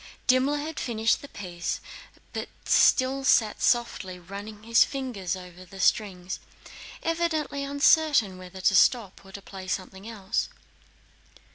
Dimmler had finished the piece but still sat softly running his fingers over the strings, evidently uncertain whether to stop or to play something else.